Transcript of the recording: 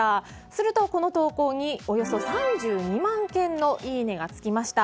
すると、この投稿におよそ３２万件のいいねがつきました。